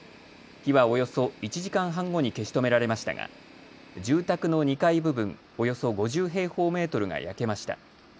火はおよそ１時間半後に消し止められましたが住宅の２階部分、およそ５０平方メートルが焼けました。